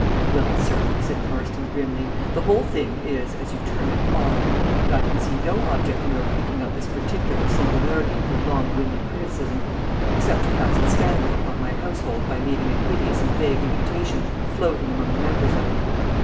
"Well, sir," said Marston, grimly, "the whole thing is, as you term it, odd; and I can see no object in your picking out this particular singularity for long winded criticism, except to cast scandal upon my household, by leaving a hideous and vague imputation floating among the members of it.